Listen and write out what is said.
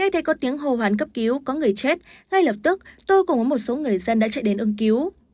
trong hồ hoán cấp cứu có người chết ngay lập tức tôi cùng một số người dân đã chạy đến ưng cứu